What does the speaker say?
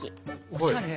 おしゃれ。